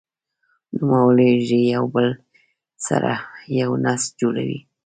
نوموړې حجرې یو له بل سره یو نسج جوړوي.